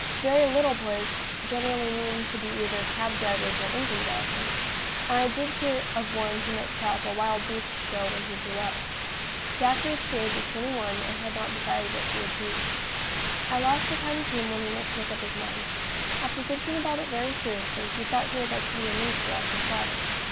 Very little boys generally mean to be either cab drivers or engine drivers; and I did hear of one who meant to have a wild beast show when he grew up. Jack reached the age of twenty one, and had not decided what he would be. At last the time came when he must make up his mind. After thinking about it very seriously, he thought he would like to be a minister like his father.